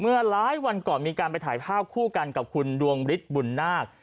หลายวันก่อนมีการไปถ่ายภาพคู่กันกับคุณดวงฤทธิ์บุญนาค